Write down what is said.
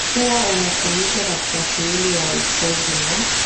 huwa unatumika katika shughuli ya uokozi na